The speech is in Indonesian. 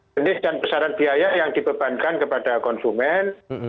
benih dan besaran biaya yang dibebankan kepada konsumen